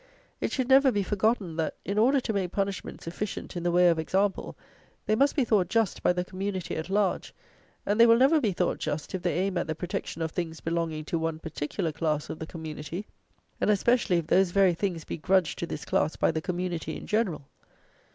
It should never be forgotten, that, in order to make punishments efficient in the way of example, they must be thought just by the Community at large; and they will never be thought just if they aim at the protection of things belonging to one particular class of the Community, and, especially, if those very things be grudged to this class by the Community in general.